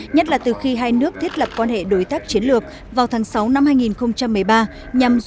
nhất là từ khi hai nước thiết lập quan hệ đối tác chiến lược vào tháng sáu năm hai nghìn một mươi ba nhằm giảm